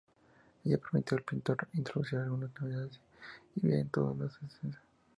Ello permitió al pintor introducir algunas novedades y dividir en dos la escena.